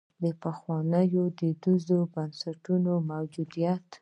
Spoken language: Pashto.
د پخوانیو دودیزو بنسټونو موجودیت.